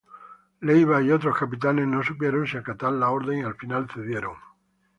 Leyva y otros capitanes no supieron si acatar la orden y al final cedieron.